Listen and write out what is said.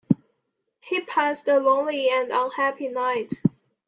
He passed a lonely and unhappy night.